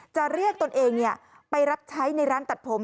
จะเรียกตนเองไปรับใช้ในร้านตัดผม